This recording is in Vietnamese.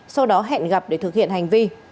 sau đó hẹn gặp để thực hiện hành vi